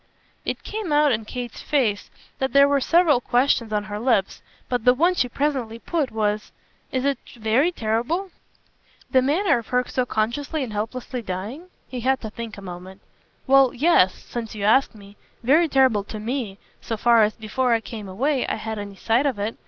It came out in Kate's face that there were several questions on her lips, but the one she presently put was: "Is it very terrible?" "The manner of her so consciously and helplessly dying?" He had to think a moment. "Well, yes since you ask me: very terrible to ME so far as, before I came away, I had any sight of it.